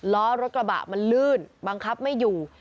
ล้อรถกระบะมันลื่นบังคับไม่อยู่